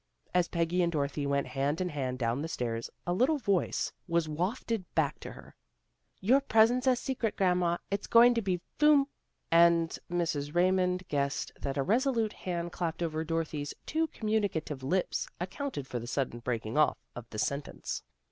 As Peggy and Dorothy went hand in hand down the stairs, a little voice was wafted back 186 THE GIRLS OF FRIENDLY TERRACE to her. ' Your present's a secret, grandma. It's going to be 'fum And Mrs. Raymond guessed that a resolute hand clapped over Dorothy's too communicative lips, accounted for the sudden breaking off of the sentence.